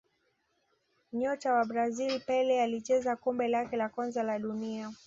Nyota wa Brazil Pele alicheza kombe lake la kwanza la dunia